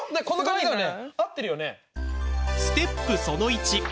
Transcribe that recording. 合ってるよね？